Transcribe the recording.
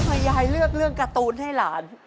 ยายเลือกเรื่องการ์ตูนให้หลาน